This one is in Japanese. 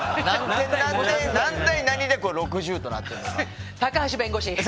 何対何で６０となってるのか。